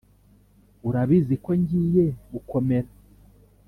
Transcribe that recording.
urabizi ko ngiye gukomera